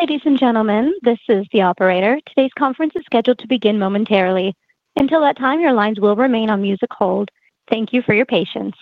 Ladies and gentlemen, this is the operator. Today's conference is scheduled to begin momentarily. Until that time, your lines will remain on music hold. Thank you for your patience.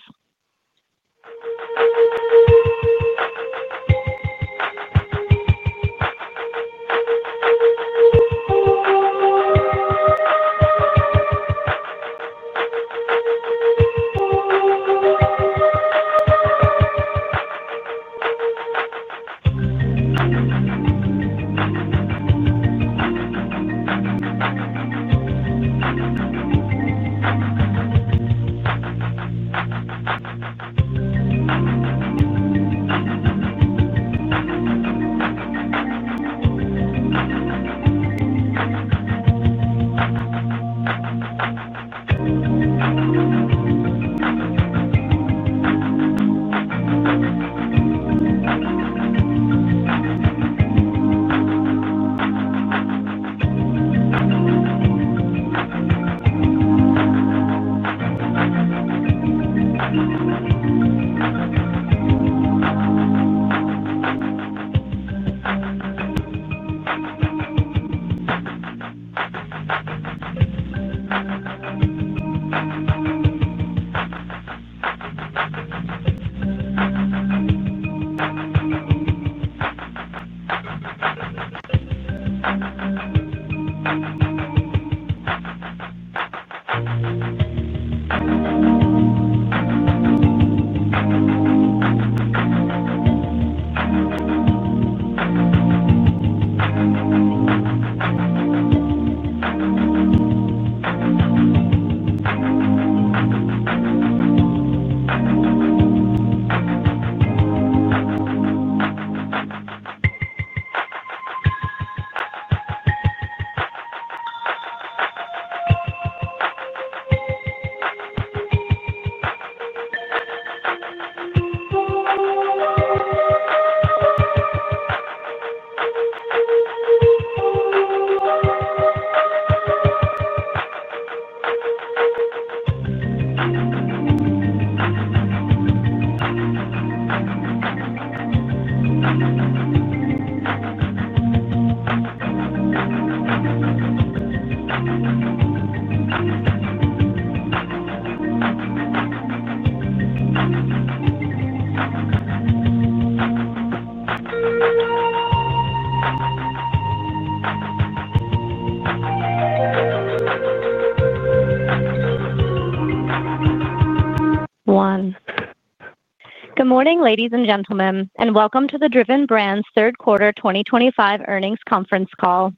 Good morning, ladies and gentlemen, and welcome to the Driven Brands Third Quarter 2025 earnings conference call.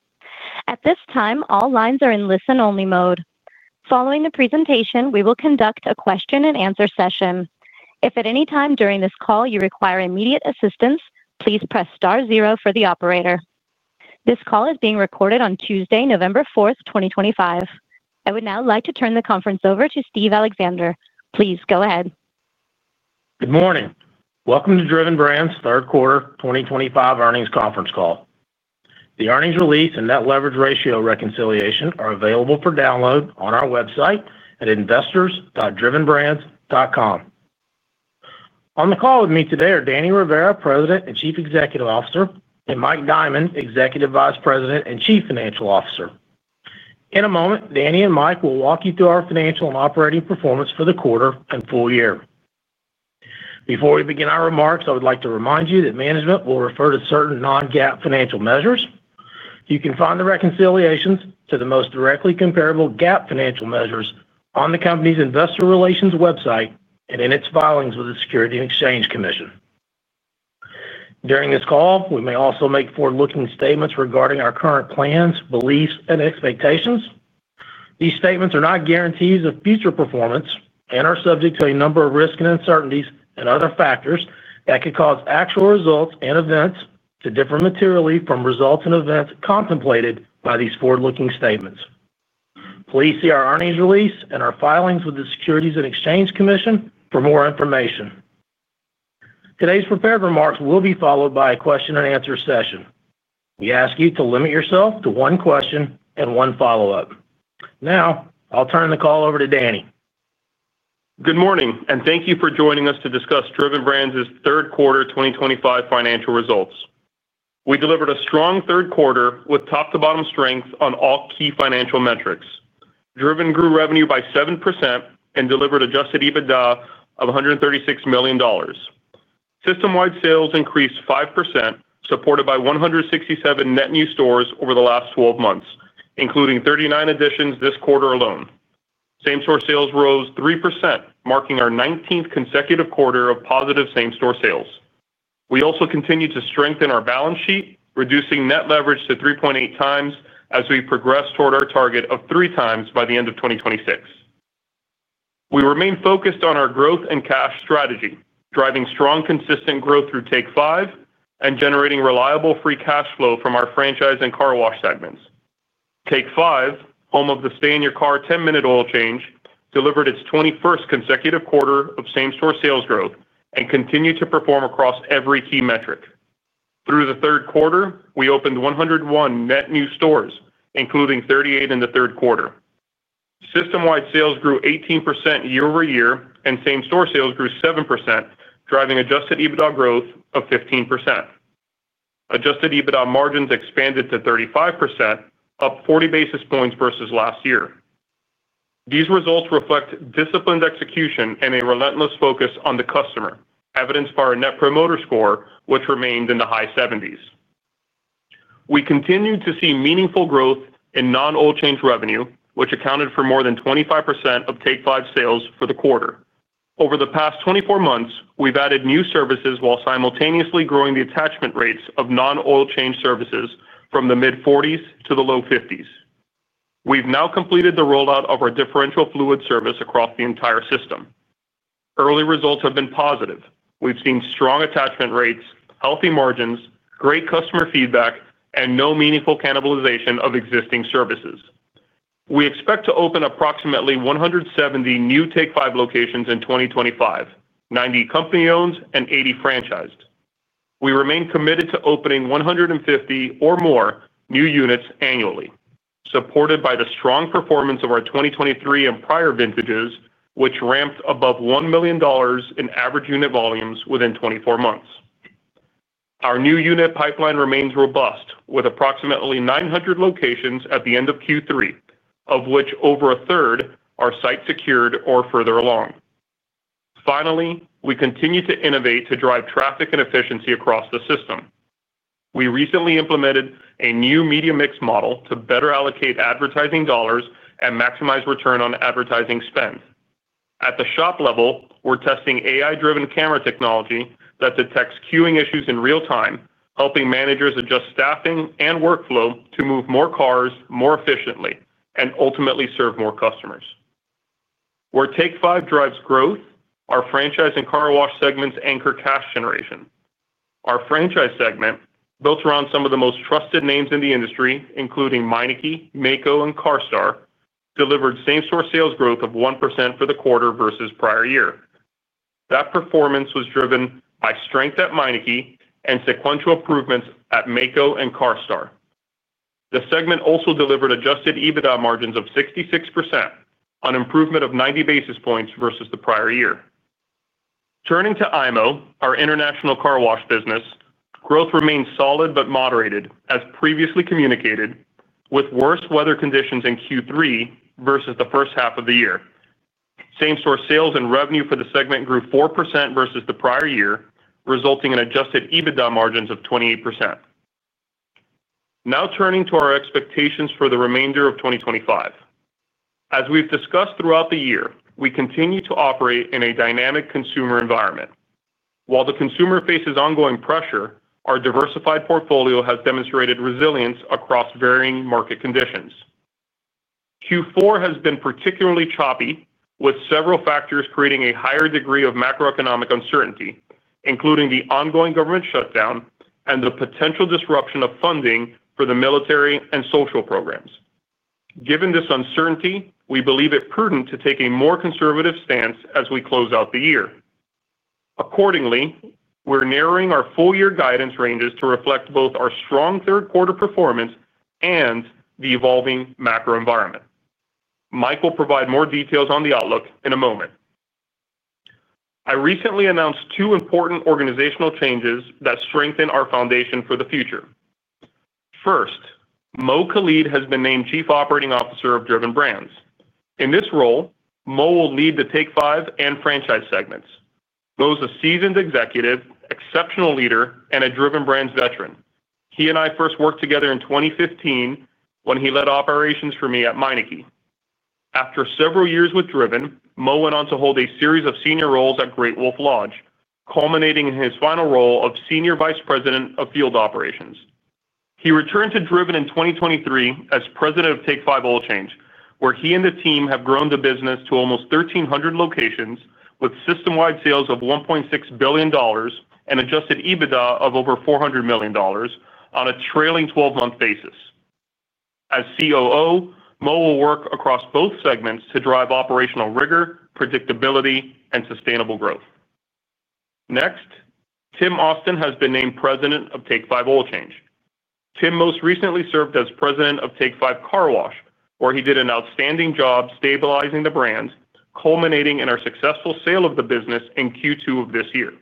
At this time, all lines are in listen-only mode. Following the presentation, we will conduct a question-and-answer session. If at any time during this call you require immediate assistance, please press star zero for the operator. This call is being recorded on Tuesday, November 4th, 2025. I would now like to turn the conference over to Steve Alexander. Please go ahead. Good morning. Welcome to Driven Brands Third Quarter 2025 earnings conference call. The earnings release and net leverage ratio reconciliation are available for download on our website at investors.drivenbrands.com. On the call with me today are Danny Rivera, President and Chief Executive Officer, and Mike Diamond, Executive Vice President and Chief Financial Officer. In a moment, Danny and Mike will walk you through our financial and operating performance for the quarter and full year. Before we begin our remarks, I would like to remind you that management will refer to certain non-GAAP financial measures. You can find the reconciliations to the most directly comparable GAAP financial measures on the company's investor relations website and in its filings with the Securities and Exchange Commission. During this call, we may also make forward-looking statements regarding our current plans, beliefs, and expectations. These statements are not guarantees of future performance and are subject to a number of risks and uncertainties and other factors that could cause actual results and events to differ materially from results and events contemplated by these forward-looking statements. Please see our earnings release and our filings with the Securities and Exchange Commission for more information. Today's prepared remarks will be followed by a question-and-answer session. We ask you to limit yourself to one question and one follow-up. Now, I'll turn the call over to Danny. Good morning, and thank you for joining us to discuss Driven Brands' Third Quarter 2025 financial results. We delivered a strong third quarter with top-to-bottom strength on all key financial metrics. Driven grew revenue by 7% and delivered Adjusted EBITDA of $136 million. System-wide sales increased 5%, supported by 167 net new stores over the last 12 months, including 39 additions this quarter alone. Same-store sales rose 3%, marking our 19th consecutive quarter of positive same-store sales. We also continue to strengthen our balance sheet, reducing net leverage to 3.8x as we progress toward our target of 3x by the end of 2026. We remain focused on our growth and cash strategy, driving strong, consistent growth through Take 5 and generating reliable free cash flow from our franchise and car wash segments. Take 5, home of the stay-in-your-car 10-minute oil change, delivered its 21st consecutive quarter of same-store sales growth and continued to perform across every key metric. Through the third quarter, we opened 101 net new stores, including 38 in the third quarter. System-wide sales grew 18% year-over-year, and same-store sales grew 7%, driving Adjusted EBITDA growth of 15%. Adjusted EBITDA margins expanded to 35%, up 40 basis points versus last year. These results reflect disciplined execution and a relentless focus on the customer, evidenced by our Net Promoter Score, which remained in the high 70s. We continued to see meaningful growth in non-oil change revenue, which accounted for more than 25% of Take 5 sales for the quarter. Over the past 24 months, we've added new services while simultaneously growing the attachment rates of non-oil change services from the mid-40s to the low 50s. We've now completed the rollout of our differential fluid service across the entire system. Early results have been positive. We've seen strong attachment rates, healthy margins, great customer feedback, and no meaningful cannibalization of existing services. We expect to open approximately 170 new Take 5 locations in 2025, 90 company-owned and 80 franchised. We remain committed to opening 150 or more new units annually, supported by the strong performance of our 2023 and prior vintages, which ramped above $1 million in average unit volumes within 24 months. Our new unit pipeline remains robust, with approximately 900 locations at the end of Q3, of which over a third are site-secured or further along. Finally, we continue to innovate to drive traffic and efficiency across the system. We recently implemented a new media mix model to better allocate advertising dollars and maximize return on advertising spend. At the shop level, we're testing AI-driven camera technology that detects queuing issues in real time, helping managers adjust staffing and workflow to move more cars more efficiently and ultimately serve more customers. Where Take 5 drives growth, our franchise and car wash segments anchor cash generation. Our franchise segment, built around some of the most trusted names in the industry, including Meineke, Maaco, and CARSTAR, delivered same-store sales growth of 1% for the quarter versus prior year. That performance was driven by strength at Meineke and sequential improvements at Maaco and CARSTAR. The segment also delivered Adjusted EBITDA margins of 66%, an improvement of 90 basis points versus the prior year. Turning to IMO, our international car wash business, growth remained solid but moderated, as previously communicated, with worse weather conditions in Q3 versus the first half of the year. Same-store sales and revenue for the segment grew 4% versus the prior year, resulting in Adjusted EBITDA margins of 28%. Now turning to our expectations for the remainder of 2025. As we've discussed throughout the year, we continue to operate in a dynamic consumer environment. While the consumer faces ongoing pressure, our diversified portfolio has demonstrated resilience across varying market conditions. Q4 has been particularly choppy, with several factors creating a higher degree of macroeconomic uncertainty, including the ongoing government shutdown and the potential disruption of funding for the military and social programs. Given this uncertainty, we believe it's prudent to take a more conservative stance as we close out the year. Accordingly, we're narrowing our full-year guidance ranges to reflect both our strong third-quarter performance and the evolving macro environment. Mike will provide more details on the outlook in a moment. I recently announced two important organizational changes that strengthen our foundation for the future. First, Mo Khalid has been named Chief Operating Officer of Driven Brands. In this role, Mo will lead the Take 5 and franchise segments. Mo is a seasoned executive, exceptional leader, and a Driven Brands veteran. He and I first worked together in 2015 when he led operations for me at Meineke. After several years with Driven, Mo went on to hold a series of senior roles at Great Wolf Lodge, culminating in his final role of Senior Vice President of Field Operations. He returned to Driven in 2023 as President of Take 5 Oil Change, where he and the team have grown the business to almost 1,300 locations with system-wide sales of $1.6 billion and Adjusted EBITDA of over $400 million on a trailing 12-month basis. As COO, Mo will work across both segments to drive operational rigor, predictability, and sustainable growth. Next, Tim Austin has been named President of Take 5 Oil Change. Tim most recently served as President of Take 5 Car Wash, where he did an outstanding job stabilizing the brand, culminating in our successful sale of the business in Q2 of this year.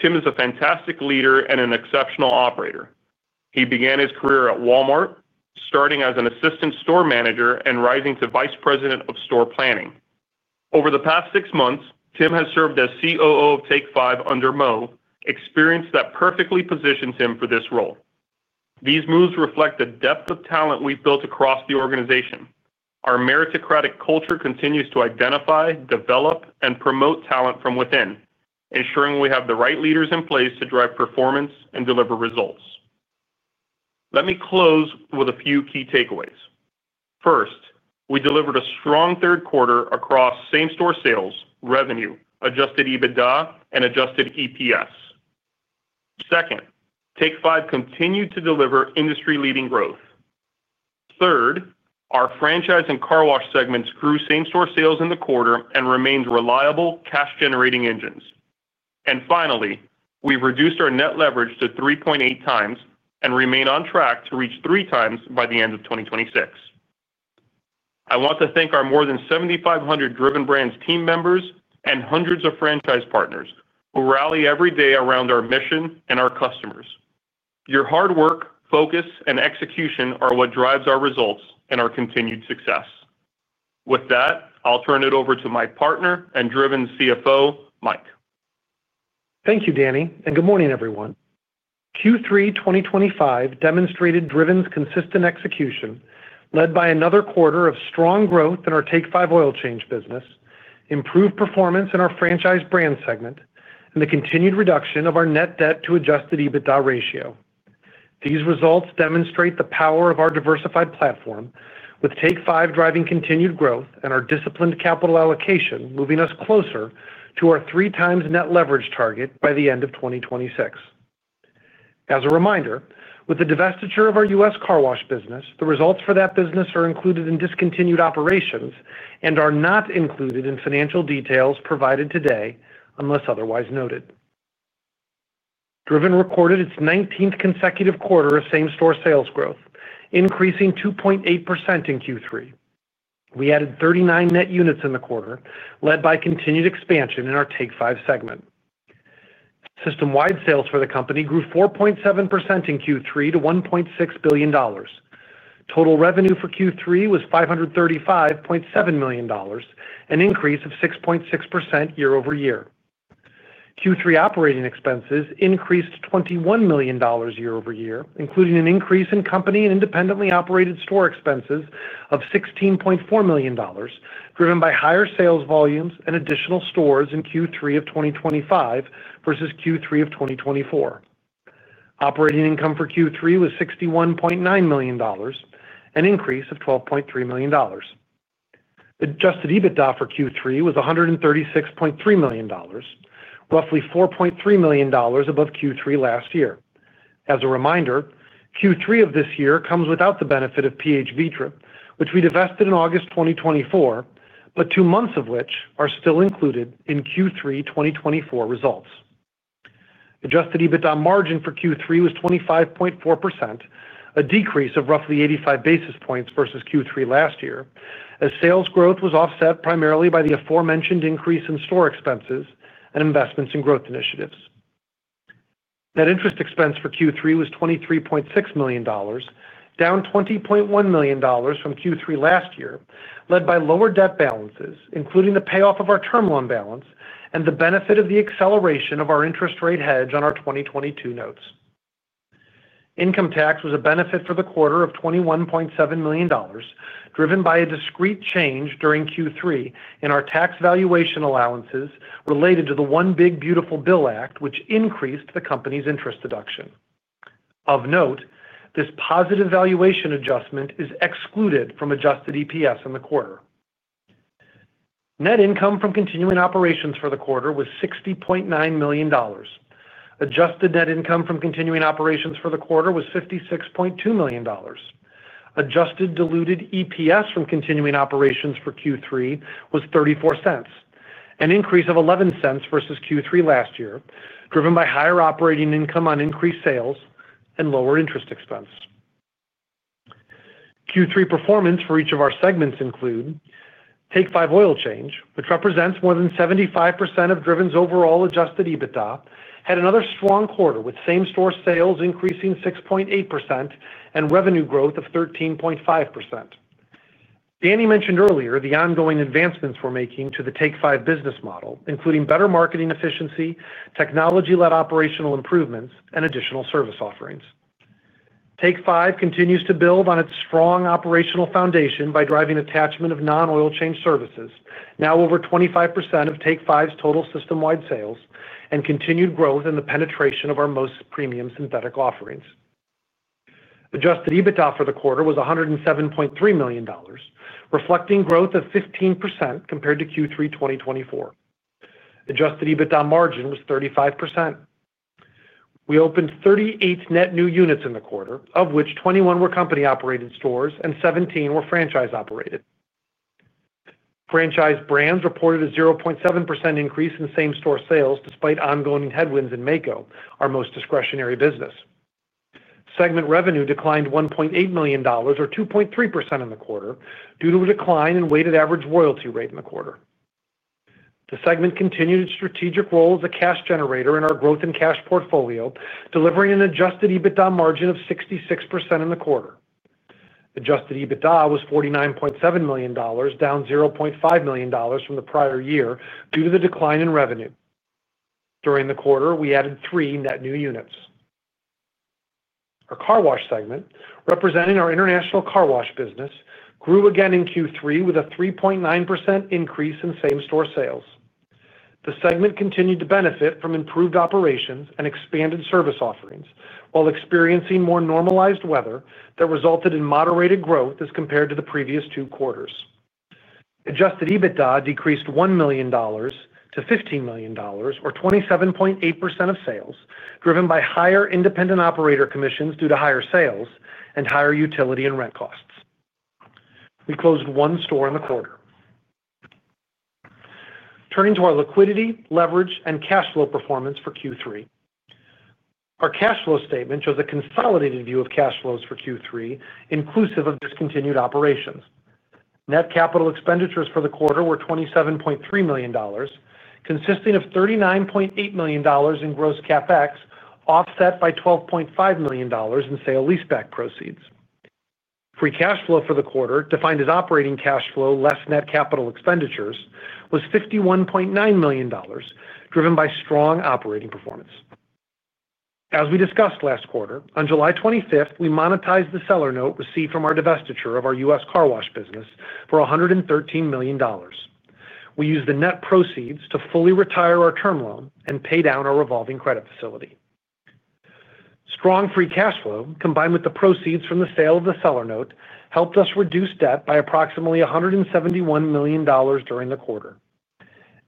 Tim is a fantastic leader and an exceptional operator. He began his career at Walmart, starting as an Assistant Store Manager and rising to Vice President of Store Planning. Over the past six months, Tim has served as COO of Take 5 under Mo, experience that perfectly positions him for this role. These moves reflect the depth of talent we've built across the organization. Our meritocratic culture continues to identify, develop, and promote talent from within, ensuring we have the right leaders in place to drive performance and deliver results. Let me close with a few key takeaways. First, we delivered a strong third quarter across same-store sales, revenue, Adjusted EBITDA, and Adjusted EPS. Second, Take 5 continued to deliver industry-leading growth. Third, our franchise and car wash segments grew same-store sales in the quarter and remained reliable cash-generating engines. And finally, we've reduced our Net leverage to 3.8x and remain on track to reach 3x by the end of 2026. I want to thank our more than 7,500 Driven Brands team members and hundreds of franchise partners who rally every day around our mission and our customers. Your hard work, focus, and execution are what drives our results and our continued success. With that, I'll turn it over to my partner and Driven CFO, Mike. Thank you, Danny, and good morning, everyone. Q3 2025 demonstrated Driven's consistent execution, led by another quarter of strong growth in our Take 5 Oil Change business, improved performance in our franchise brand segment, and the continued reduction of our net debt to Adjusted EBITDA ratio. These results demonstrate the power of our diversified platform, with Take 5 driving continued growth and our disciplined capital allocation moving us closer to our three-times net leverage target by the end of 2026. As a reminder, with the divestiture of our U.S. car wash business, the results for that business are included in discontinued operations and are not included in financial details provided today unless otherwise noted. Driven recorded its 19th consecutive quarter of same-store sales growth, increasing 2.8% in Q3. We added 39 net units in the quarter, led by continued expansion in our Take 5 segment. System-wide sales for the company grew 4.7% in Q3 to $1.6 billion. Total revenue for Q3 was $535.7 million, an increase of 6.6% year-over-year. Q3 operating expenses increased $21 million year-over-year, including an increase in company and independently operated store expenses of $16.4 million, driven by higher sales volumes and additional stores in Q3 of 2025 versus Q3 of 2024. Operating income for Q3 was $61.9 million, an increase of $12.3 million. Adjusted EBITDA for Q3 was $136.3 million, roughly $4.3 million above Q3 last year. As a reminder, Q3 of this year comes without the benefit of PHV trip, which we divested in August 2024, but two months of which are still included in Q3 2024 results. Adjusted EBITDA margin for Q3 was 25.4%, a decrease of roughly 85 basis points versus Q3 last year, as sales growth was offset primarily by the aforementioned increase in store expenses and investments in growth initiatives. Net interest expense for Q3 was $23.6 million, down $20.1 million from Q3 last year, led by lower debt balances, including the payoff of our term loan balance and the benefit of the acceleration of our interest rate hedge on our 2022 notes. Income tax was a benefit for the quarter of $21.7 million, driven by a discrete change during Q3 in our tax valuation allowances related to the One Big Beautiful Bill Act, which increased the company's interest deduction. Of note, this positive valuation adjustment is excluded from Adjusted EPS in the quarter. Net income from continuing operations for the quarter was $60.9 million. Adjusted net income from continuing operations for the quarter was $56.2 million. Adjusted diluted EPS from continuing operations for Q3 was $0.34, an increase of $0.11 versus Q3 last year, driven by higher operating income on increased sales and lower interest expense. Q3 performance for each of our segments includes Take 5 Oil Change, which represents more than 75% of Driven's overall Adjusted EBITDA, had another strong quarter with same-store sales increasing 6.8% and revenue growth of 13.5%. Danny mentioned earlier the ongoing advancements we're making to the Take 5 business model, including better marketing efficiency, technology-led operational improvements, and additional service offerings. Take 5 continues to build on its strong operational foundation by driving attachment of non-oil change services, now over 25% of Take 5's total system-wide sales, and continued growth in the penetration of our most premium synthetic offerings. Adjusted EBITDA for the quarter was $107.3 million, reflecting growth of 15% compared to Q3 2024. Adjusted EBITDA margin was 35%. We opened 38 net new units in the quarter, of which 21 were company-operated stores and 17 were franchise-operated. Franchise Brands reported a 0.7% increase in same-store sales despite ongoing headwinds in Maaco, our most discretionary business. Segment revenue declined $1.8 million, or 2.3%, in the quarter due to a decline in weighted average royalty rate in the quarter. The segment continued its strategic role as a cash generator in our growth and cash portfolio, delivering an adjusted EBITDA margin of 66% in the quarter. Adjusted EBITDA was $49.7 million, down $0.5 million from the prior year due to the decline in revenue. During the quarter, we added three net new units. Our car wash segment, representing our international car wash business, grew again in Q3 with a 3.9% increase in same-store sales. The segment continued to benefit from improved operations and expanded service offerings while experiencing more normalized weather that resulted in moderated growth as compared to the previous two quarters. Adjusted EBITDA decreased $1 million to $15 million, or 27.8% of sales, driven by higher independent operator commissions due to higher sales and higher utility and rent costs. We closed one store in the quarter. Turning to our liquidity, leverage, and cash flow performance for Q3. Our cash flow statement shows a consolidated view of cash flows for Q3, inclusive of discontinued operations. Net capital expenditures for the quarter were $27.3 million, consisting of $39.8 million in gross CapEx, offset by $12.5 million in sale leaseback proceeds. Free cash flow for the quarter, defined as operating cash flow less net capital expenditures, was $51.9 million, driven by strong operating performance. As we discussed last quarter, on July 25th, we monetized the seller note received from our divestiture of our U.S. car wash business for $113 million. We used the net proceeds to fully retire our term loan and pay down our revolving credit facility. Strong free cash flow, combined with the proceeds from the sale of the seller note, helped us reduce debt by approximately $171 million during the quarter.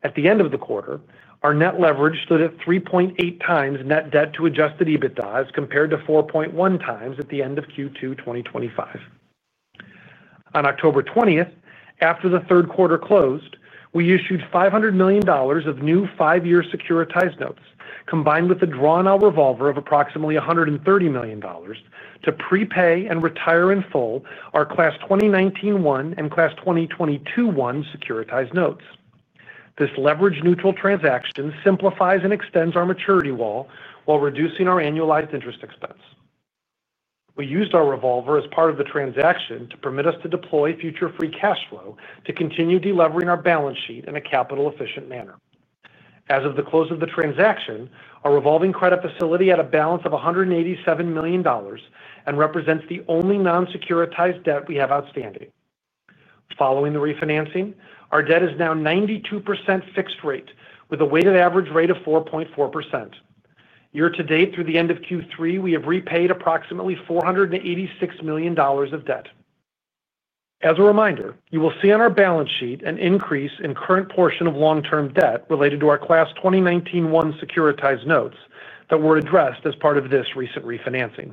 At the end of the quarter, our net leverage stood at 3.8x net debt to adjusted EBITDA as compared to 4.1x at the end of Q2 2025. On October 20th, after the third quarter closed, we issued $500 million of new five-year securitized notes, combined with a drawn-out revolver of approximately $130 million, to prepay and retire in full our Class 2019-1 and Class 2022-1 securitized notes. This leverage-neutral transaction simplifies and extends our maturity wall while reducing our annualized interest expense. We used our revolver as part of the transaction to permit us to deploy future free cash flow to continue delivering our balance sheet in a capital-efficient manner. As of the close of the transaction, our revolving credit facility had a balance of $187 million and represents the only non-securitized debt we have outstanding. Following the refinancing, our debt is now 92% fixed rate with a weighted average rate of 4.4%. Year-to-date, through the end of Q3, we have repaid approximately $486 million of debt. As a reminder, you will see on our balance sheet an increase in current portion of long-term debt related to our Class 2019-1 securitized notes that were addressed as part of this recent refinancing.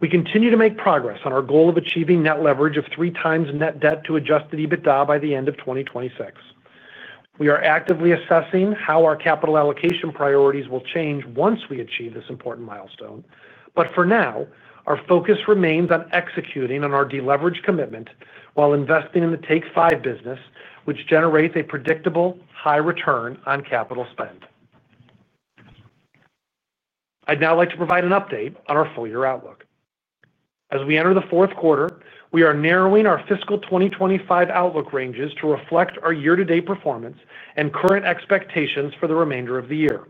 We continue to make progress on our goal of achieving net leverage of three times net debt to Adjusted EBITDA by the end of 2026. We are actively assessing how our capital allocation priorities will change once we achieve this important milestone, but for now, our focus remains on executing on our deleverage commitment while investing in the Take 5 business, which generates a predictable high return on capital spend. I'd now like to provide an update on our full-year outlook. As we enter the fourth quarter, we are narrowing our fiscal 2025 outlook ranges to reflect our year-to-date performance and current expectations for the remainder of the year.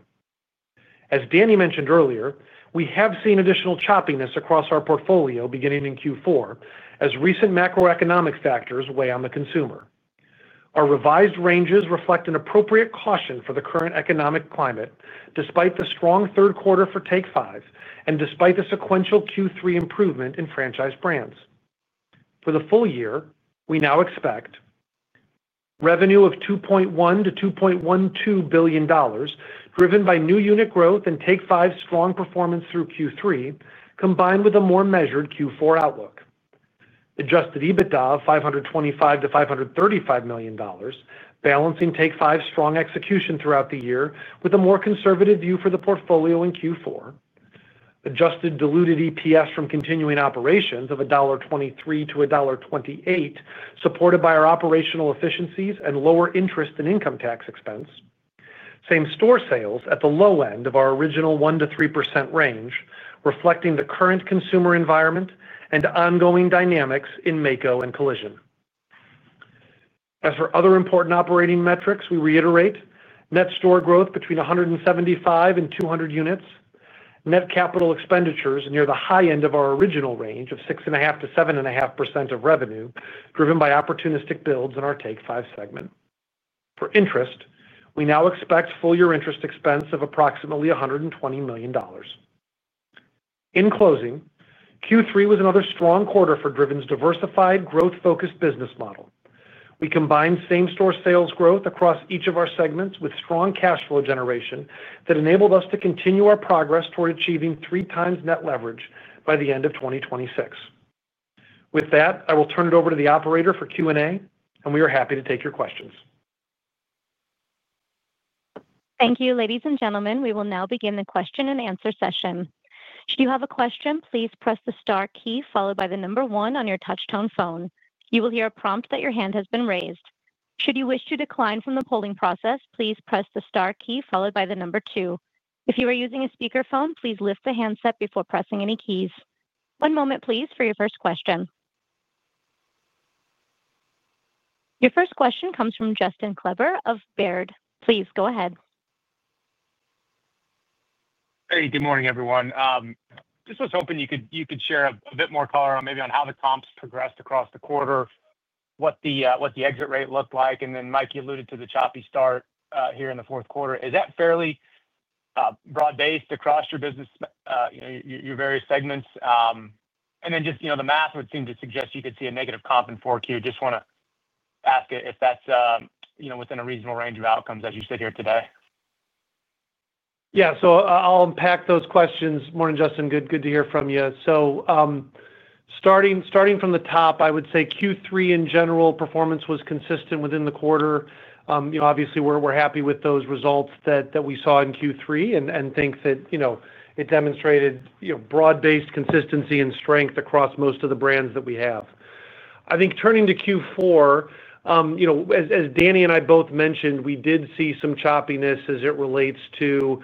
As Danny mentioned earlier, we have seen additional choppiness across our portfolio beginning in Q4 as recent macroeconomic factors weigh on the consumer. Our revised ranges reflect an appropriate caution for the current economic climate, despite the strong third quarter for Take 5 and despite the sequential Q3 improvement in franchise brands. For the full year, we now expect revenue of $2.1 billion-$2.12 billion, driven by new unit growth and Take 5's strong performance through Q3, combined with a more measured Q4 outlook. Adjusted EBITDA of $525 million-$535 million, balancing Take 5's strong execution throughout the year with a more conservative view for the portfolio in Q4. Adjusted diluted EPS from continuing operations of $1.23-$1.28, supported by our operational efficiencies and lower interest and income tax expense. Same-store sales at the low end of our original 1%-3% range, reflecting the current consumer environment and ongoing dynamics in Maaco and collision. As for other important operating metrics, we reiterate net store growth between 175 and 200 units, net capital expenditures near the high end of our original range of 6.5%-7.5% of revenue, driven by opportunistic builds in our Take 5 segment. For interest, we now expect full-year interest expense of approximately $120 million. In closing, Q3 was another strong quarter for Driven's diversified, growth-focused business model. We combined same-store sales growth across each of our segments with strong cash flow generation that enabled us to continue our progress toward achieving three times net leverage by the end of 2026. With that, I will turn it over to the operator for Q&A, and we are happy to take your questions. Thank you, ladies and gentlemen. We will now begin the question-and-answer session. Should you have a question, please press the star key followed by the number one on your touch-tone phone. You will hear a prompt that your hand has been raised. Should you wish to decline from the polling process, please press the star key followed by the number two. If you are using a speakerphone, please lift the handset before pressing any keys. One moment, please, for your first question. Your first question comes from Justin Kleber of Baird. Please go ahead. Hey, good morning, everyone. Just was hoping you could share a bit more color on maybe on how the comps progressed across the quarter, what the exit rate looked like, and then Mike alluded to the choppy start here in the fourth quarter. Is that fairly broad-based across your business, your various segments? And then just the math would seem to suggest you could see a negative comp in 4Q. Just want to ask if that's within a reasonable range of outcomes as you sit here today. Yeah, so I'll unpack those questions. Morning, Justin. Good to hear from you. So. Starting from the top, I would say Q3, in general, performance was consistent within the quarter. Obviously, we're happy with those results that we saw in Q3 and think that. It demonstrated broad-based consistency and strength across most of the brands that we have. I think turning to Q4. As Danny and I both mentioned, we did see some choppiness as it relates to.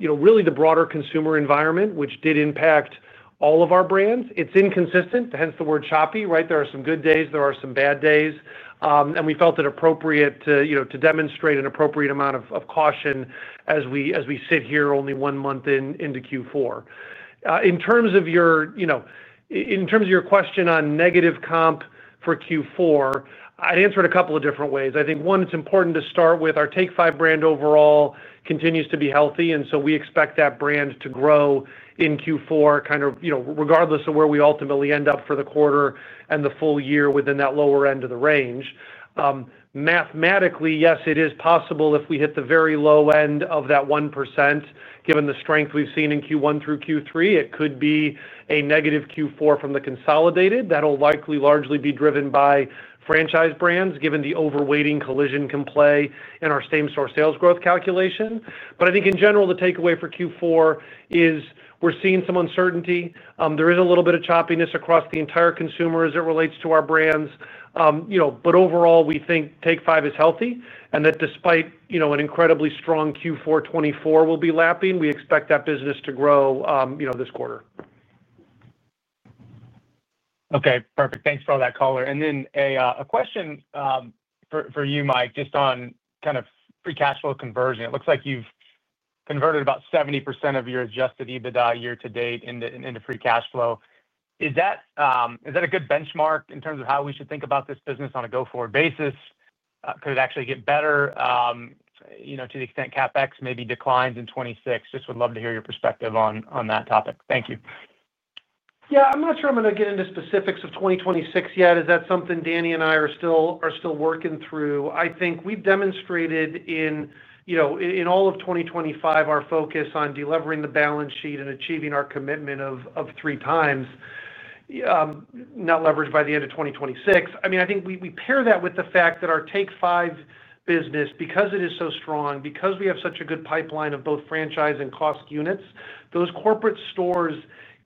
Really the broader consumer environment, which did impact all of our brands. It's inconsistent, hence the word choppy, right? There are some good days. There are some bad days. And we felt it appropriate to demonstrate an appropriate amount of caution as we sit here only one month into Q4. In terms of your question on negative comp for Q4, I'd answer it a couple of different ways. I think, one, it's important to start with our Take 5 brand overall continues to be healthy, and so we expect that brand to grow in Q4, kind of regardless of where we ultimately end up for the quarter and the full year within that lower end of the range. Mathematically, yes, it is possible if we hit the very low end of that 1%, given the strength we've seen in Q1 through Q3, it could be a negative Q4 from the consolidated. That'll likely largely be driven by franchise brands, given the overweighting collision can play in our same-store sales growth calculation. But I think, in general, the takeaway for Q4 is we're seeing some uncertainty. There is a little bit of choppiness across the entire consumer as it relates to our brands. But overall, we think Take 5 is healthy and that despite an incredibly strong Q4 2024 we'll be lapping, we expect that business to grow this quarter. Okay, perfect. Thanks for all that color. And then a question for you, Mike, just on kind of free cash flow conversion. It looks like you've converted about 70% of your Adjusted EBITDA year-to-date into free cash flow. Is that a good benchmark in terms of how we should think about this business on a go-forward basis? Could it actually get better to the extent CapEx maybe declines in 2026? Just would love to hear your perspective on that topic. Thank you. Yeah, I'm not sure I'm going to get into specifics of 2026 yet. Is that something Danny and I are still working through? I think we've demonstrated in all of 2025 our focus on delivering the balance sheet and achieving our commitment of three times net leverage by the end of 2026. I mean, I think we pair that with the fact that our Take 5 business, because it is so strong, because we have such a good pipeline of both franchise and corporate units, those corporate stores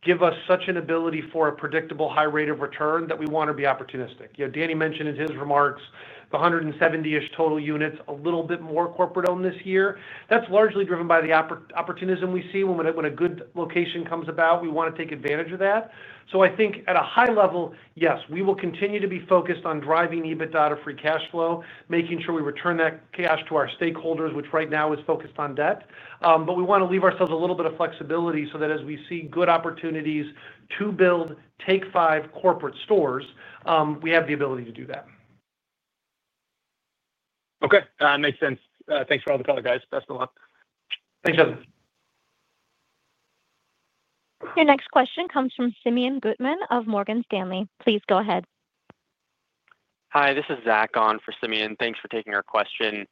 give us such an ability for a predictable high rate of return that we want to be opportunistic. Danny mentioned in his remarks the 170-ish total units, a little bit more corporate-owned this year. That's largely driven by the opportunism we see when a good location comes about. We want to take advantage of that. So I think at a high level, yes, we will continue to be focused on driving EBITDA to free cash flow, making sure we return that cash to our stakeholders, which right now is focused on debt. But we want to leave ourselves a little bit of flexibility so that as we see good opportunities to build Take 5 corporate stores, we have the ability to do that. Okay, makes sense. Thanks for all the color, guys. Best of luck. Thanks, Justin. Your next question comes from Simeon Gutman of Morgan Stanley. Please go ahead. Hi, this is Zach on for Simeon. Thanks for taking our question.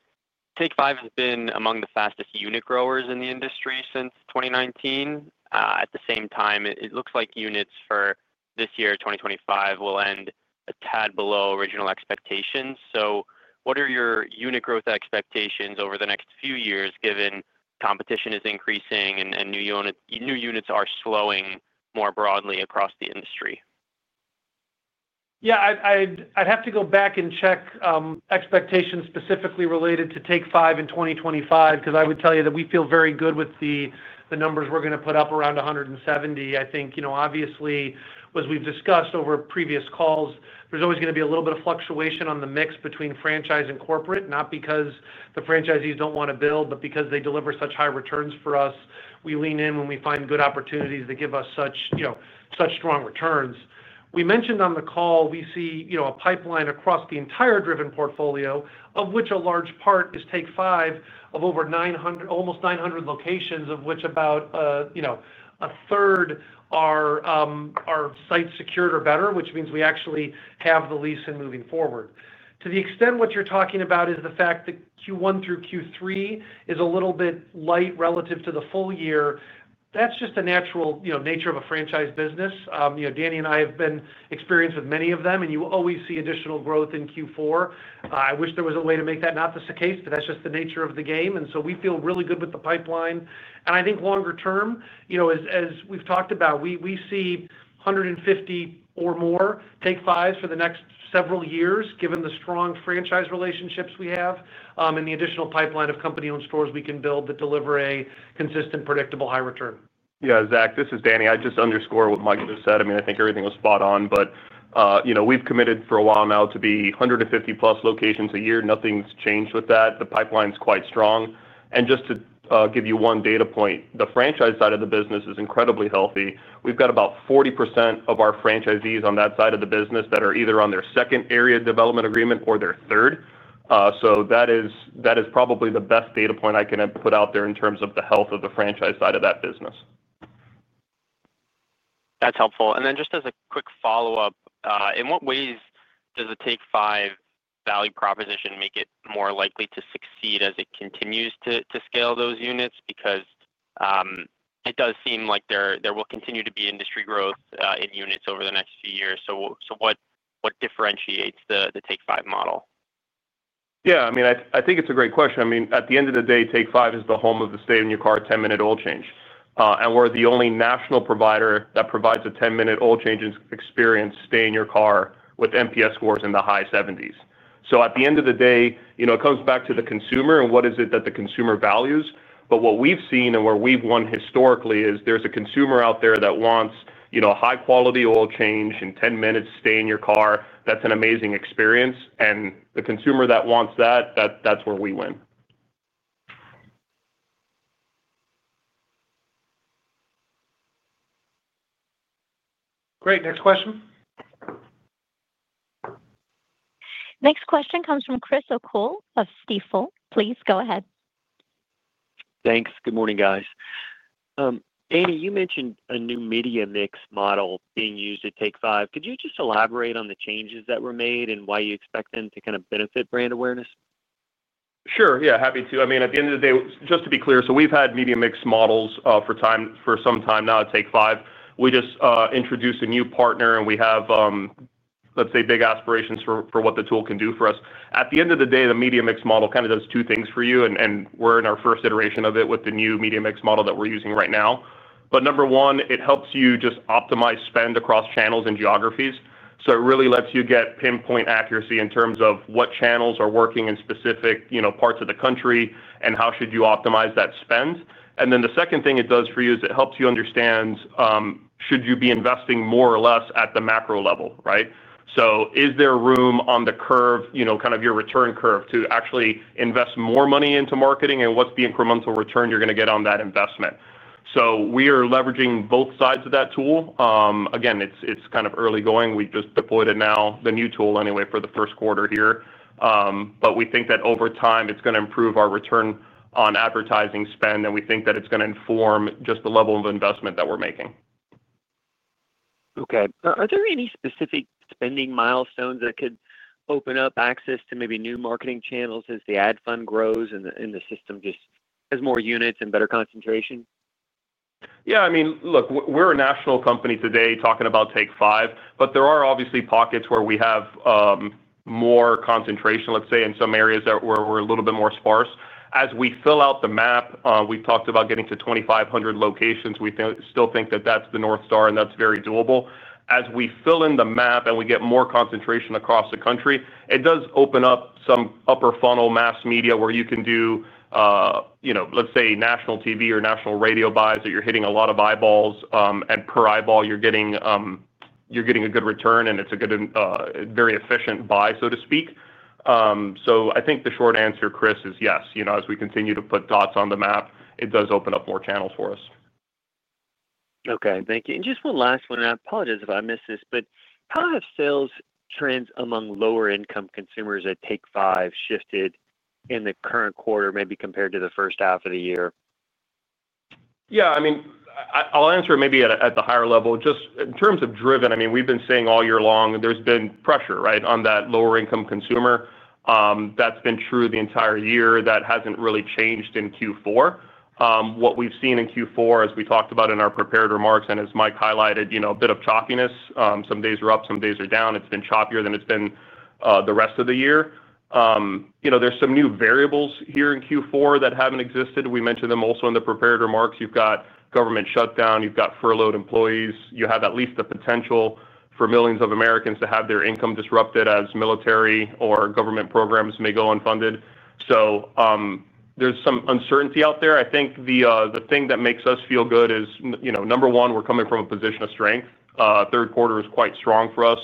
Take 5 has been among the fastest unit growers in the industry since 2019. At the same time, it looks like units for this year, 2025, will end a tad below original expectations. So what are your unit growth expectations over the next few years, given competition is increasing and new units are slowing more broadly across the industry? Yeah, I'd have to go back and check expectations specifically related to Take 5 in 2025 because I would tell you that we feel very good with the numbers we're going to put up around 170. I think, obviously, as we've discussed over previous calls, there's always going to be a little bit of fluctuation on the mix between franchise and corporate, not because the franchisees don't want to build, but because they deliver such high returns for us. We lean in when we find good opportunities that give us such strong returns. We mentioned on the call we see a pipeline across the entire Driven portfolio, of which a large part is Take 5 of almost 900 locations, of which about 1/3 are sites secured or better, which means we actually have the lease in hand moving forward. To the extent what you're talking about is the fact that Q1 through Q3 is a little bit light relative to the full year, that's just the natural nature of a franchise business. Danny and I have been experienced with many of them, and you will always see additional growth in Q4. I wish there was a way to make that not the case, but that's just the nature of the game, so we feel really good with the pipeline. I think longer term, as we've talked about, we see 150 or more Take 5s for the next several years, given the strong franchise relationships we have and the additional pipeline of company-owned stores we can build that deliver a consistent, predictable high return. Yeah, Zach, this is Danny. I just underscore what Mike just said. I mean, I think everything was spot on, but. We've committed for a while now to be 150+ locations a year. Nothing's changed with that. The pipeline's quite strong. And just to give you one data point, the franchise side of the business is incredibly healthy. We've got about 40% of our franchisees on that side of the business that are either on their second area development agreement or their third. So that is probably the best data point I can put out there in terms of the health of the franchise side of that business. That's helpful. And then just as a quick follow-up, in what ways does the Take 5 value proposition make it more likely to succeed as it continues to scale those units? Because it does seem like there will continue to be industry growth in units over the next few years. So what differentiates the Take 5 model? Yeah, I mean, I think it's a great question. I mean, at the end of the day, Take 5 is the home of the stay-in-your-car 10-minute oil change, and we're the only national provider that provides a 10-minute oil change experience stay-in-your-car with NPS scores in the high 70s, so at the end of the day, it comes back to the consumer and what is it that the consumer values, but what we've seen and where we've won historically is there's a consumer out there that wants a high-quality oil change in 10 minutes stay-in-your-car that's an amazing experience, and the consumer that wants that, that's where we win. Great. Next question. Next question comes from Chris O'Connell of Stifel. Please go ahead. Thanks. Good morning, guys. Danny, you mentioned a new media mix model being used at Take 5. Could you just elaborate on the changes that were made and why you expect them to kind of benefit brand awareness? Sure. Yeah, happy to. I mean, at the end of the day, just to be clear, so we've had media mix models for some time now at Take 5. We just introduced a new partner, and we have, let's say, big aspirations for what the tool can do for us. At the end of the day, the media mix model kind of does two things for you. And we're in our first iteration of it with the new media mix model that we're using right now. But number one, it helps you just optimize spend across channels and geographies. So it really lets you get pinpoint accuracy in terms of what channels are working in specific parts of the country and how should you optimize that spend. And then the second thing it does for you is it helps you understand. Should you be investing more or less at the macro level, right? So is there room on the curve, kind of your return curve, to actually invest more money into marketing and what's the incremental return you're going to get on that investment? So we are leveraging both sides of that tool. Again, it's kind of early going. We just deployed it now, the new tool, anyway, for the first quarter here. But we think that over time, it's going to improve our return on advertising spend, and we think that it's going to inform just the level of investment that we're making. Okay. Are there any specific spending milestones that could open up access to maybe new marketing channels as the ad fund grows and the system just has more units and better concentration? Yeah. I mean, look, we're a national company today talking about Take 5, but there are obviously pockets where we have more concentration, let's say, in some areas where we're a little bit more sparse. As we fill out the map, we've talked about getting to 2,500 locations. We still think that that's the North Star, and that's very doable. As we fill in the map and we get more concentration across the country, it does open up some upper funnel mass media where you can do, let's say, national TV or national radio buys that you're hitting a lot of eyeballs. And per eyeball, you're getting a good return, and it's a very efficient buy, so to speak. So I think the short answer, Chris, is yes. As we continue to put dots on the map, it does open up more channels for us. Okay. Thank you. And just one last one. I apologize if I missed this, but how have sales trends among lower-income consumers at Take 5 shifted in the current quarter, maybe compared to the first half of the year? Yeah. I mean, I'll answer maybe at the higher level. Just in terms of Driven, I mean, we've been seeing all year long, there's been pressure, right, on that lower-income consumer. That's been true the entire year. That hasn't really changed in Q4. What we've seen in Q4, as we talked about in our prepared remarks and as Mike highlighted, a bit of choppiness. Some days are up. Some days are down. It's been choppier than it's been the rest of the year. There's some new variables here in Q4 that haven't existed. We mentioned them also in the prepared remarks. You've got government shutdown. You've got furloughed employees. You have at least the potential for millions of Americans to have their income disrupted as military or government programs may go unfunded. So, there's some uncertainty out there. I think the thing that makes us feel good is, number one, we're coming from a position of strength. Third quarter is quite strong for us.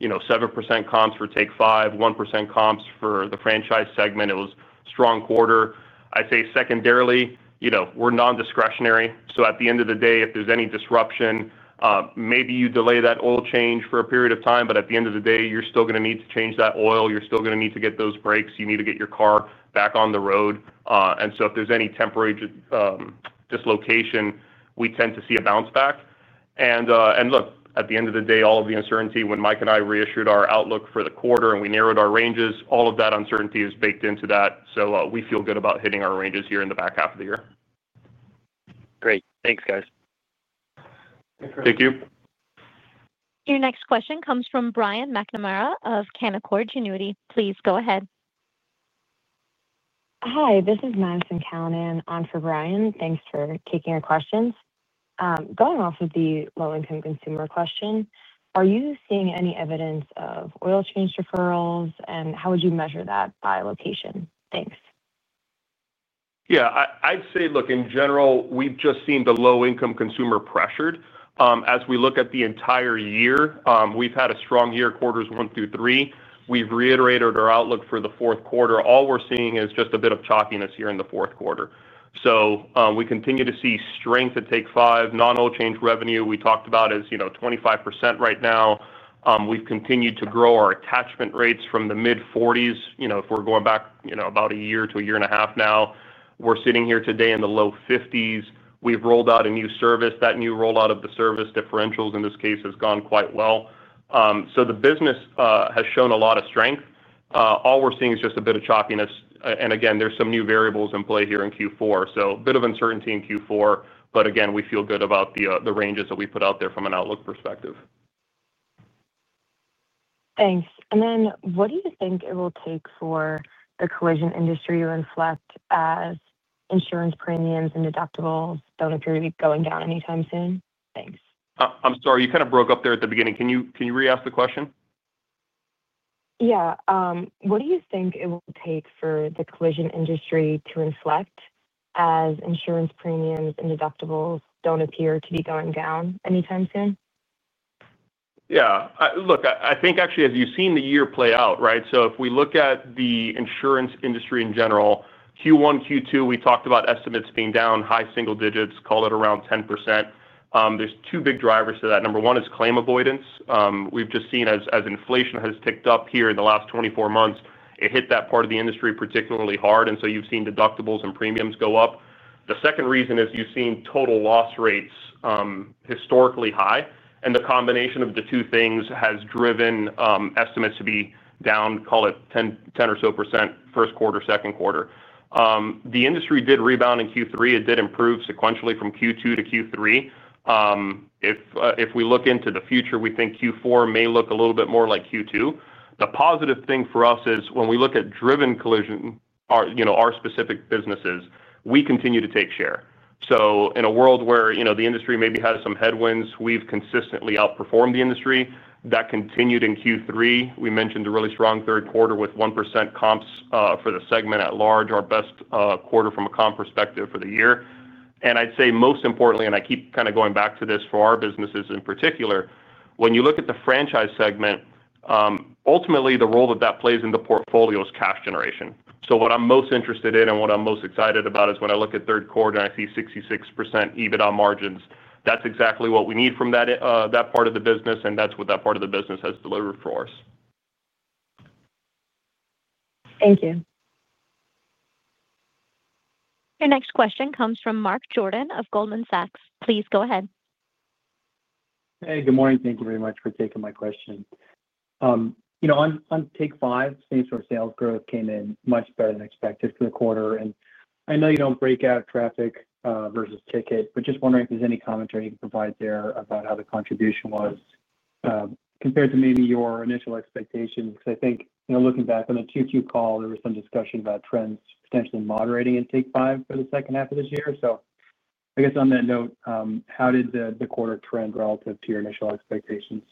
7% comps for Take 5, 1% comps for the franchise segment. It was a strong quarter. I'd say secondarily, we're non-discretionary. So at the end of the day, if there's any disruption, maybe you delay that oil change for a period of time, but at the end of the day, you're still going to need to change that oil. You're still going to need to get those brakes. You need to get your car back on the road. And so if there's any temporary dislocation, we tend to see a bounce back. And look, at the end of the day, all of the uncertainty when Mike and I reissued our outlook for the quarter and we narrowed our ranges, all of that uncertainty is baked into that. So we feel good about hitting our ranges here in the back half of the year. Great. Thanks, guys. Thank you. Your next question comes from Brian McNamara of Canaccord Genuity. Please go ahead. Hi, this is Madison Callinan on for Brian. Thanks for taking our questions. Going off of the low-income consumer question, are you seeing any evidence of oil change referrals, and how would you measure that by location? Thanks. Yeah. I'd say, look, in general, we've just seen the low-income consumer pressured. As we look at the entire year, we've had a strong year, quarters one through three. We've reiterated our outlook for the fourth quarter. All we're seeing is just a bit of choppiness here in the fourth quarter. So we continue to see strength at Take 5. Non-oil change revenue, we talked about, is 25% right now. We've continued to grow our attachment rates from the mid-40s. If we're going back about a year to a year and a half now, we're sitting here today in the low 50s. We've rolled out a new service. That new rollout of the differential fluid service, in this case, has gone quite well. So the business has shown a lot of strength. All we're seeing is just a bit of choppiness. And again, there's some new variables in play here in Q4. So a bit of uncertainty in Q4, but again, we feel good about the ranges that we put out there from an outlook perspective. Thanks. And then what do you think it will take for the collision industry to reflect as insurance premiums and deductibles don't appear to be going down anytime soon? Thanks. I'm sorry. You kind of broke up there at the beginning. Can you reask the question? Yeah. What do you think it will take for the collision industry to reflect, as insurance premiums and deductibles don't appear to be going down anytime soon? Yeah. Look, I think actually, as you've seen the year play out, right? So if we look at the insurance industry in general, Q1, Q2, we talked about estimates being down, high single digits, called it around 10%. There's two big drivers to that. Number one is claim avoidance. We've just seen, as inflation has ticked up here in the last 24 months, it hit that part of the industry particularly hard. And so you've seen deductibles and premiums go up. The second reason is you've seen total loss rates. Historically high. And the combination of the two things has driven estimates to be down, call it 10% or so, first quarter, second quarter. The industry did rebound in Q3. It did improve sequentially from Q2 to Q3. If we look into the future, we think Q4 may look a little bit more like Q2. The positive thing for us is when we look at Driven Collision. Our specific businesses, we continue to take share. So in a world where the industry maybe had some headwinds, we've consistently outperformed the industry. That continued in Q3. We mentioned a really strong third quarter with 1% comps for the segment at large, our best quarter from a comp perspective for the year. And I'd say most importantly, and I keep kind of going back to this for our businesses in particular, when you look at the franchise segment. Ultimately, the role that that plays in the portfolio is cash generation. So what I'm most interested in and what I'm most excited about is when I look at third quarter and I see 66% EBITDA margins. That's exactly what we need from that part of the business, and that's what that part of the business has delivered for us. Thank you. Your next question comes from Mark Jordan of Goldman Sachs. Please go ahead. Hey, good morning. Thank you very much for taking my question. On Take 5, same sort of sales growth came in much better than expected for the quarter. And I know you don't break out traffic versus ticket, but just wondering if there's any commentary you can provide there about how the contribution was. Compared to maybe your initial expectations, because I think looking back on the Q2 call, there was some discussion about trends potentially moderating in Take 5 for the second half of this year. So I guess on that note, how did the quarter trend relative to your initial expectations?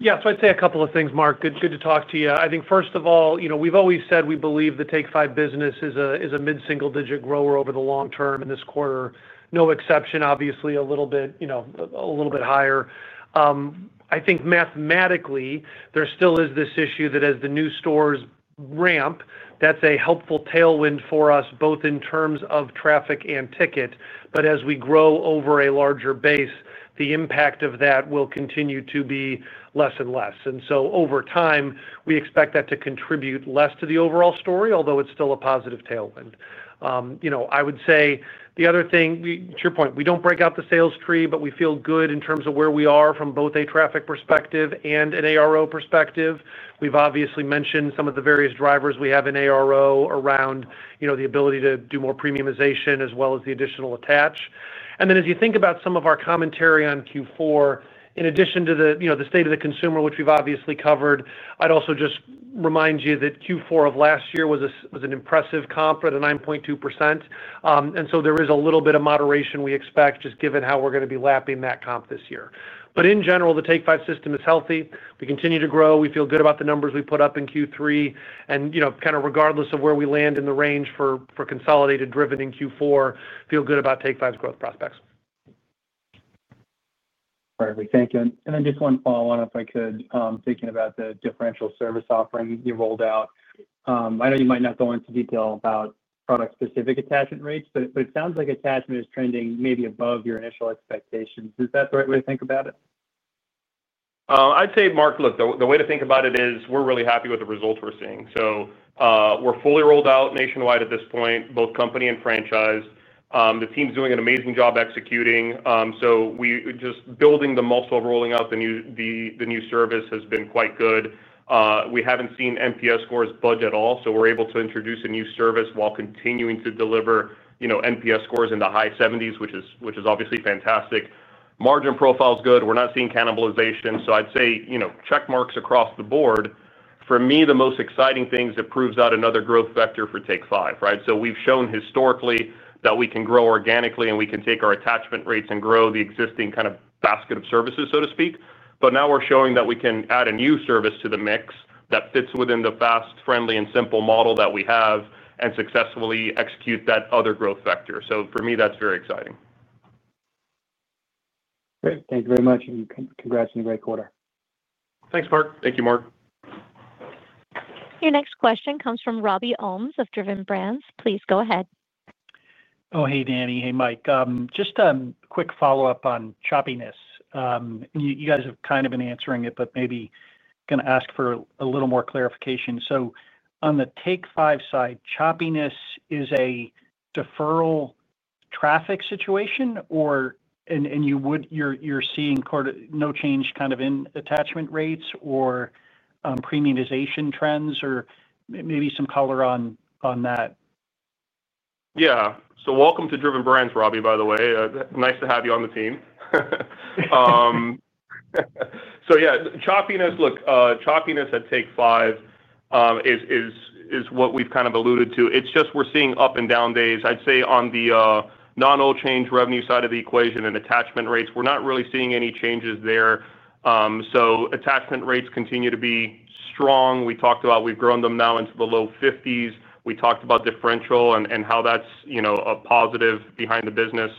Yeah. So I'd say a couple of things, Mark. Good to talk to you. I think, first of all, we've always said we believe the Take 5 business is a mid-single-digit grower over the long term in this quarter. No exception, obviously, a little bit. Higher. I think mathematically, there still is this issue that as the new stores ramp, that's a helpful tailwind for us, both in terms of traffic and ticket. But as we grow over a larger base, the impact of that will continue to be less and less. And so over time, we expect that to contribute less to the overall story, although it's still a positive tailwind. I would say the other thing, to your point, we don't break out the sales tree, but we feel good in terms of where we are from both a traffic perspective and an ARO perspective. We've obviously mentioned some of the various drivers we have in ARO around the ability to do more premiumization as well as the additional attach. And then as you think about some of our commentary on Q4, in addition to the state of the consumer, which we've obviously covered, I'd also just remind you that Q4 of last year was an impressive comp at a 9.2%. And so there is a little bit of moderation we expect, just given how we're going to be lapping that comp this year. But in general, the Take 5 system is healthy. We continue to grow. We feel good about the numbers we put up in Q3. And kind of regardless of where we land in the range for consolidated Driven in Q4, feel good about Take 5's growth prospects. Right. Thank you. And then just one follow-up, if I could. Thinking about the differential service offering you rolled out, I know you might not go into detail about product-specific attachment rates, but it sounds like attachment is trending maybe above your initial expectations. Is that the right way to think about it? I'd say, Mark, look, the way to think about it is we're really happy with the results we're seeing, so we're fully rolled out nationwide at this point, both company and franchise. The team's doing an amazing job executing, so just building the multiple rolling out the new service has been quite good. We haven't seen NPS scores budge at all, so we're able to introduce a new service while continuing to deliver NPS scores in the high 70s, which is obviously fantastic. Margin profile is good. We're not seeing cannibalization, so I'd say check marks across the board. For me, the most exciting thing is it proves out another growth vector for Take 5, right? So we've shown historically that we can grow organically and we can take our attachment rates and grow the existing kind of basket of services, so to speak, but now we're showing that we can add a new service to the mix that fits within the fast, friendly, and simple model that we have and successfully execute that other growth vector, so for me, that's very exciting. Great. Thank you very much. And congrats on a great quarter. Thanks, Mark. Thank you, Mark. Your next question comes from Robby Ohmes of Driven Brands. Please go ahead. Oh, hey, Danny. Hey, Mike. Just a quick follow-up on choppiness. You guys have kind of been answering it, but maybe going to ask for a little more clarification. So on the Take 5 side, choppiness is a deferral traffic situation, or you're seeing no change kind of in attachment rates or premiumization trends or maybe some color on that? Yeah. So welcome to Driven Brands, Robby, by the way. Nice to have you on the team. So yeah, choppiness, look, choppiness at Take 5. Is what we've kind of alluded to. It's just we're seeing up and down days. I'd say on the non-oil change revenue side of the equation and attachment rates, we're not really seeing any changes there. So attachment rates continue to be strong. We talked about we've grown them now into the low 50s. We talked about differential and how that's a positive behind the business.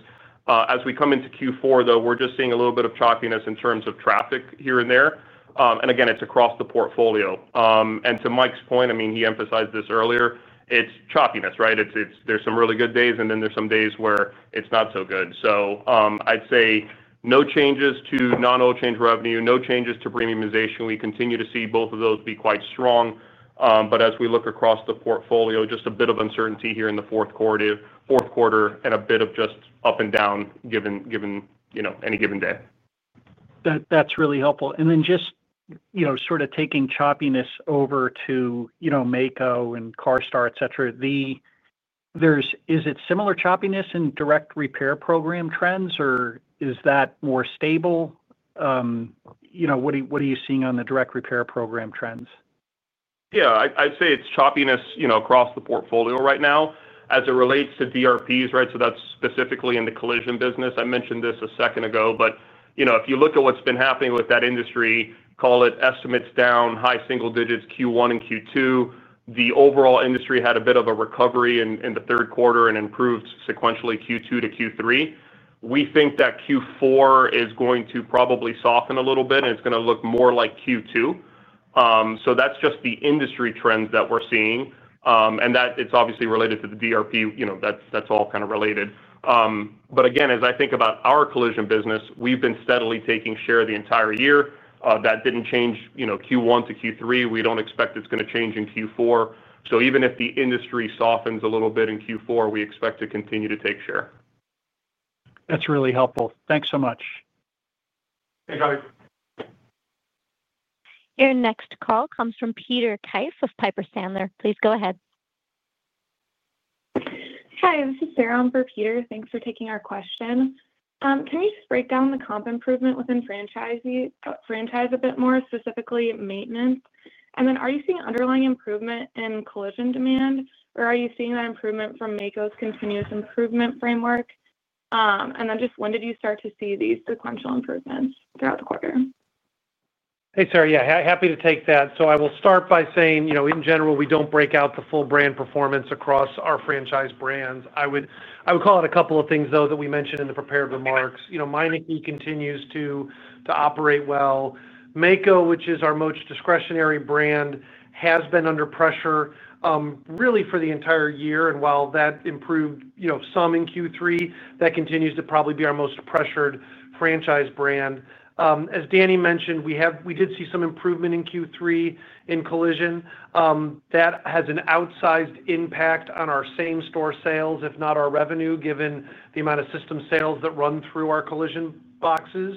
As we come into Q4, though, we're just seeing a little bit of choppiness in terms of traffic here and there. And again, it's across the portfolio. And to Mike's point, I mean, he emphasized this earlier, it's choppiness, right? There's some really good days, and then there's some days where it's not so good. So I'd say no changes to non-oil change revenue, no changes to premiumization. We continue to see both of those be quite strong. But as we look across the portfolio, just a bit of uncertainty here in the fourth quarter and a bit of just up and down given any given day. That's really helpful. And then just sort of taking choppiness over to Maaco and CARSTAR, etc., is it similar choppiness in direct repair program trends, or is that more stable? What are you seeing on the direct repair program trends? Yeah. I'd say it's choppiness across the portfolio right now as it relates to DRPs, right? So that's specifically in the collision business. I mentioned this a second ago, but if you look at what's been happening with that industry, call it estimates down, high single digits, Q1 and Q2, the overall industry had a bit of a recovery in the third quarter and improved sequentially Q2 to Q3. We think that Q4 is going to probably soften a little bit, and it's going to look more like Q2. So that's just the industry trends that we're seeing, and that it's obviously related to the DRP. That's all kind of related. But again, as I think about our collision business, we've been steadily taking share the entire year. That didn't change Q1 to Q3. We don't expect it's going to change in Q4. So even if the industry softens a little bit in Q4, we expect to continue to take share. That's really helpful. Thanks so much. Thanks, Robby. Your next call comes from Peter Keith of Piper Sandler. Please go ahead. Hi, this is Sarah on for Peter. Thanks for taking our question. Can you just break down the comp improvement within franchise a bit more, specifically maintenance? And then are you seeing underlying improvement in collision demand, or are you seeing that improvement from Maaco's continuous improvement framework? And then just when did you start to see these sequential improvements throughout the quarter? Hey, Sarah. Yeah. Happy to take that. So I will start by saying, in general, we don't break out the full brand performance across our franchise brands. I would call it a couple of things, though, that we mentioned in the prepared remarks. Meineke continues to operate well. Maaco, which is our most discretionary brand, has been under pressure. Really for the entire year. And while that improved some in Q3, that continues to probably be our most pressured franchise brand. As Danny mentioned, we did see some improvement in Q3 in collision. That has an outsized impact on our same store sales, if not our revenue, given the amount of system sales that run through our collision boxes.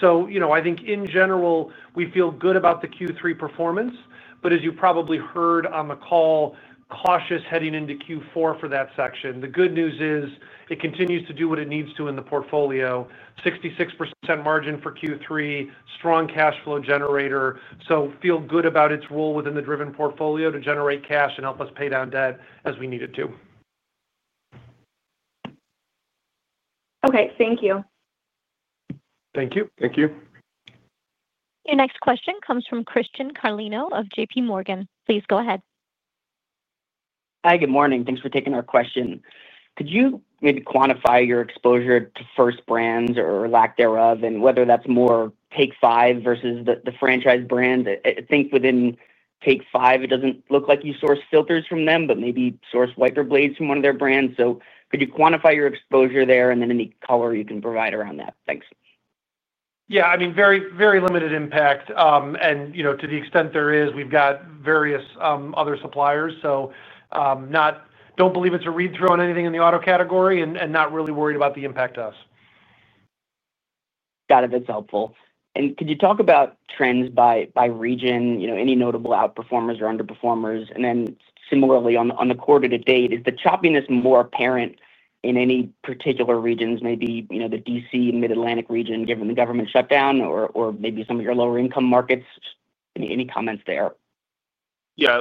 So I think, in general, we feel good about the Q3 performance. But as you probably heard on the call, cautious heading into Q4 for that section. The good news is it continues to do what it needs to in the portfolio. 66% margin for Q3, strong cash flow generator. So feel good about its role within the Driven portfolio to generate cash and help us pay down debt as we need it to. Okay. Thank you. Thank you. Thank you. Your next question comes from Christian Carlino of JPMorgan. Please go ahead. Hi, good morning. Thanks for taking our question. Could you maybe quantify your exposure to First Brands or lack thereof, and whether that's more Take 5 versus the franchise brands? I think within Take 5, it doesn't look like you source filters from them, but maybe source wiper blades from one of their brands. So could you quantify your exposure there and then any color you can provide around that? Thanks. Yeah. I mean, very limited impact, and to the extent there is, we've got various other suppliers. So, don't believe it's a read-through on anything in the auto category and not really worried about the impact to us. Got it. That's helpful. And could you talk about trends by region, any notable outperformers or underperformers? And then similarly, on the quarter to date, is the choppiness more apparent in any particular regions, maybe the DC and Mid-Atlantic region, given the government shutdown, or maybe some of your lower-income markets? Any comments there? Yeah.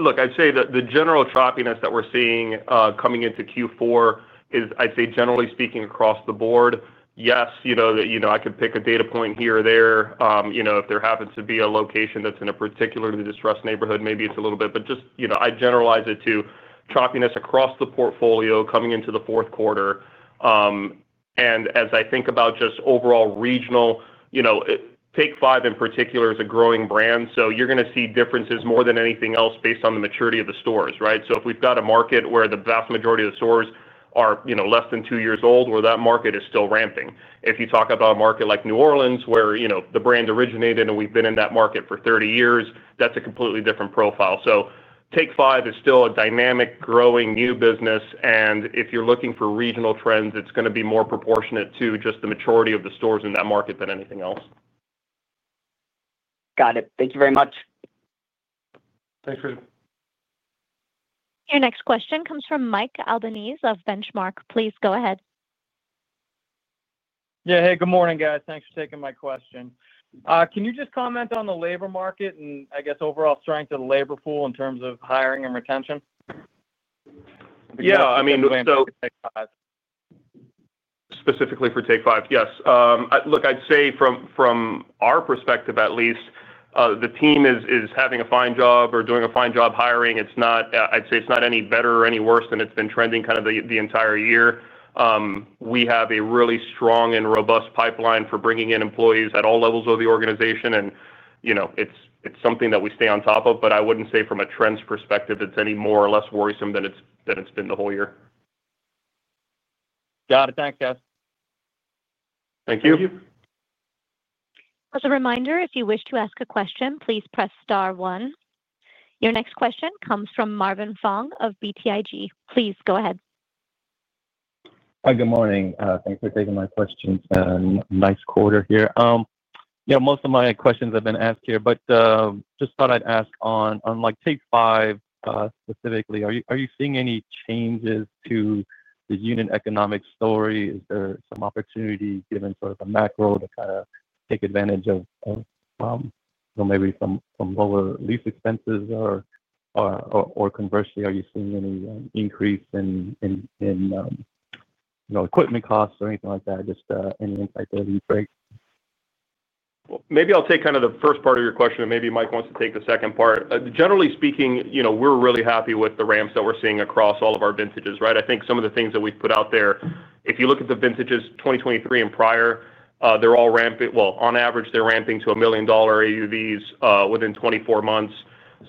Look, I'd say that the general choppiness that we're seeing coming into Q4 is, I'd say, generally speaking, across the board. Yes, I could pick a data point here or there. If there happens to be a location that's in a particularly distressed neighborhood, maybe it's a little bit. But just I'd generalize it to choppiness across the portfolio coming into the fourth quarter. And as I think about just overall regional. Take 5 in particular is a growing brand. So you're going to see differences more than anything else based on the maturity of the stores, right? So if we've got a market where the vast majority of the stores are less than two years old, well, that market is still ramping. If you talk about a market like New Orleans, where the brand originated and we've been in that market for 30 years, that's a completely different profile. So Take 5 is still a dynamic, growing new business. And if you're looking for regional trends, it's going to be more proportionate to just the maturity of the stores in that market than anything else. Got it. Thank you very much. Thanks, Christian. Your next question comes from Mike Albanese of Benchmark. Please go ahead. Yeah. Hey, good morning, guys. Thanks for taking my question. Can you just comment on the labor market and, I guess, overall strength of the labor pool in terms of hiring and retention? Yeah. I mean, so. Specifically for Take 5. Specifically for Take 5. Yes. Look, I'd say from our perspective, at least, the team is doing a fine job hiring. I'd say it's not any better or any worse than it's been trending kind of the entire year. We have a really strong and robust pipeline for bringing in employees at all levels of the organization. It's something that we stay on top of. But I wouldn't say from a trends perspective it's any more or less worrisome than it's been the whole year. Got it. Thanks, guys. Thank you. Thank you. As a reminder, if you wish to ask a question, please press star one. Your next question comes from Marvin Fong of BTIG. Please go ahead. Hi, good morning. Thanks for taking my questions and nice quarter here. Most of my questions have been asked here, but just thought I'd ask on Take 5 specifically, are you seeing any changes to the unit economic story? Is there some opportunity, given sort of a macro, to kind of take advantage of maybe some lower lease expenses or conversely, are you seeing any increase in equipment costs or anything like that? Just any insight there you'd like. Maybe I'll take kind of the first part of your question, and maybe Mike wants to take the second part. Generally speaking, we're really happy with the ramps that we're seeing across all of our vintages, right? I think some of the things that we've put out there, if you look at the vintages 2023 and prior, they're all ramping, well, on average, they're ramping to a million-dollar AUVs within 24 months.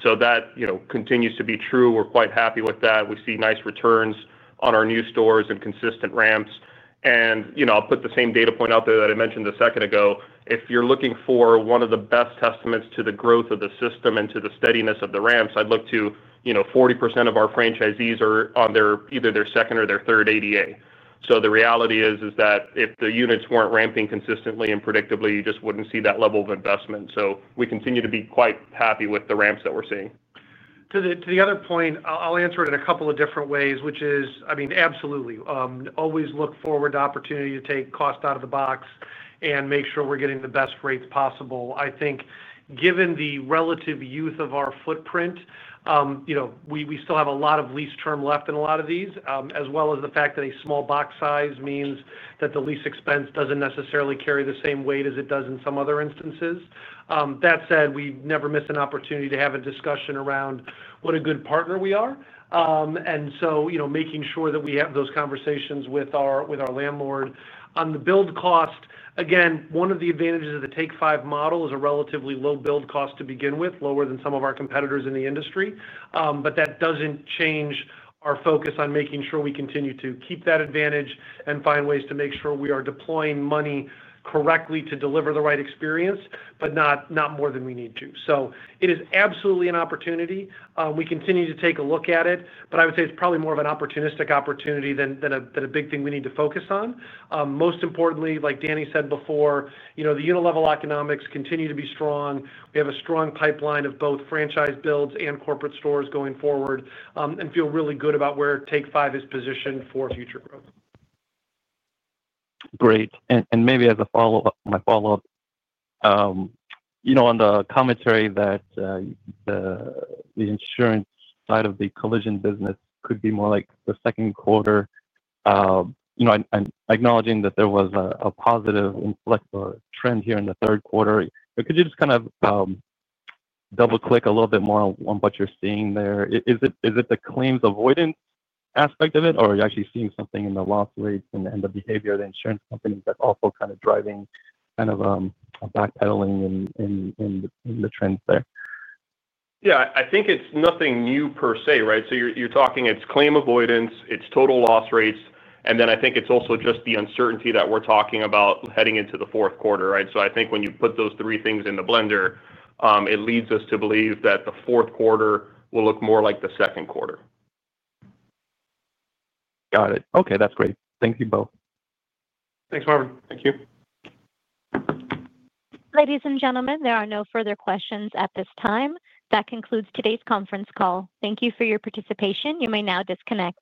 So that continues to be true. We're quite happy with that. We see nice returns on our new stores and consistent ramps. And I'll put the same data point out there that I mentioned a second ago. If you're looking for one of the best testaments to the growth of the system and to the steadiness of the ramps, I'd look to 40% of our franchisees are on either their second or their third ADA. So the reality is that if the units weren't ramping consistently and predictably, you just wouldn't see that level of investment. So we continue to be quite happy with the ramps that we're seeing. To the other point, I'll answer it in a couple of different ways, which is, I mean, absolutely. Always look forward to the opportunity to take cost out of the box and make sure we're getting the best rates possible. I think, given the relative youth of our footprint, we still have a lot of lease term left in a lot of these, as well as the fact that a small box size means that the lease expense doesn't necessarily carry the same weight as it does in some other instances. That said, we never miss an opportunity to have a discussion around what a good partner we are. And so, making sure that we have those conversations with our landlord. On the build cost, again, one of the advantages of the Take 5 model is a relatively low build cost to begin with, lower than some of our competitors in the industry. But that doesn't change our focus on making sure we continue to keep that advantage and find ways to make sure we are deploying money correctly to deliver the right experience, but not more than we need to. So it is absolutely an opportunity. We continue to take a look at it, but I would say it's probably more of an opportunistic opportunity than a big thing we need to focus on. Most importantly, like Danny said before, the unit-level economics continue to be strong. We have a strong pipeline of both franchise builds and corporate stores going forward and feel really good about where Take 5 is positioned for future growth. Great. And maybe as a follow-up, my follow-up on the commentary that the insurance side of the collision business could be more like the second quarter, acknowledging that there was a positive trend here in the third quarter, could you just kind of double-click a little bit more on what you're seeing there? Is it the claims avoidance aspect of it, or are you actually seeing something in the loss rates and the behavior of the insurance companies that's also kind of driving a backpedaling in the trends there? Yeah. I think it's nothing new per se, right? So you're talking it's claim avoidance, it's total loss rates, and then I think it's also just the uncertainty that we're talking about heading into the fourth quarter, right? So I think when you put those three things in the blender, it leads us to believe that the fourth quarter will look more like the second quarter. Got it. Okay. That's great. Thank you both. Thanks, Marvin. Thank you. Ladies and gentlemen, there are no further questions at this time. That concludes today's conference call. Thank you for your participation. You may now disconnect.